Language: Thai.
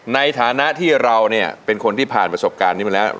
ในฐานะที่เราเนี่ยเป็นคนที่ผ่านประสบการณ์นี้มาแล้ว